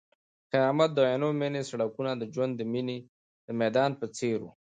خیر محمد ته د عینومېنې سړکونه د ژوند د میدان په څېر وو.